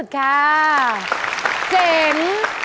ฮัลโหล